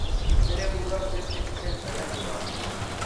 Bere buruaz beste egiten saiatu da.